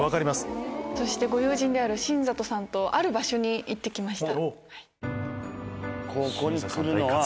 そしてご友人である新里さんとある場所に行ってきました。